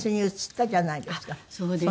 そうですね。